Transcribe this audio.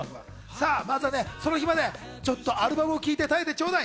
その日までちょっとアルバムを聴いて耐えてちょうだい。